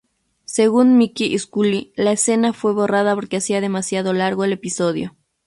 Según Mike Scully, la escena fue borrada porque hacía demasiado largo el episodio.